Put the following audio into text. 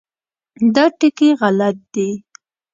دا ټکي غلط دي.